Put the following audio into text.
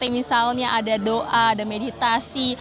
misalnya ada doa ada meditasi